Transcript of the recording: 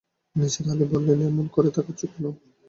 নিসার আলি বললেন, এমন করে তাকাচ্ছ কেন?